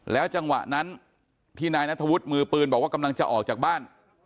จังหวะนั้นที่นายนัทธวุฒิมือปืนบอกว่ากำลังจะออกจากบ้าน